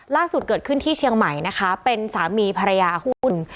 ล่าสุดเกิดขึ้นที่เชียงใหม่นะคะเป็นสามีภรรยาคู่อุ่น